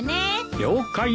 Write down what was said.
了解。